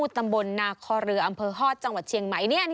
ต้อง